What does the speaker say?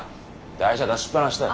台車出しっ放しだよ。